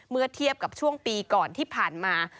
เมื่อเทียบกับช่วงปีก่อนที่ผ่านมา